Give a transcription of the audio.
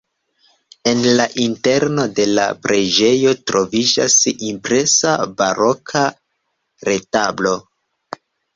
En la interno de la preĝejo troviĝas impresa baroka retablo.